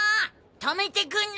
泊めてくんな！